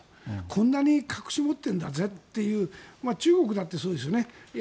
こんなに隠し持っているんだぜっていう中国だってそうですよね。